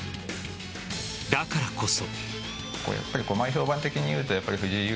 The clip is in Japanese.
だからこそ。